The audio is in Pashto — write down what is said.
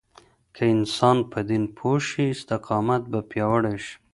که انسان په دين پوه شي، استقامت به پیاوړی شي.